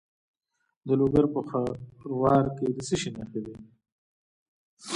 د لوګر په خروار کې د څه شي نښې دي؟